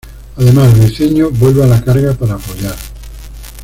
Además, Briceño vuelve a la carga para apoyar.